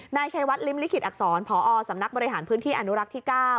นายชัยวัดริมลิขิตอักษรพอสำนักบริหารพื้นที่อนุรักษ์ที่๙